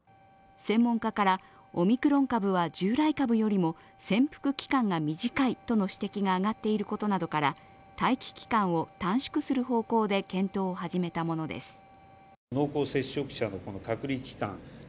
専門家から、オミクロン株は従来株よりも潜伏期間が短いとの指摘が挙がっていることなどから、待機期間を短縮する方向で検討を始めたものです。